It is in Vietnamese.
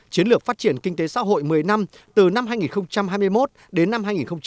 chiến lược phát triển kinh tế xã hội một mươi năm từ năm hai nghìn hai mươi một đến năm hai nghìn ba mươi